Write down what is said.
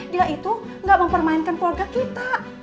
dia itu gak mempermainkan keluarga kita